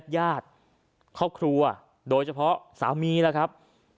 ยาดเข้าครัวโดยเฉพาะสามีนะครับ